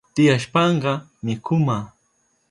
Tiyashpanka mikuma